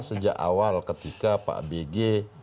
sejak awal ketika pak bg